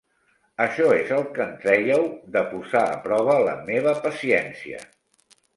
Això és el que en traieu de posar a prova la meva paciència.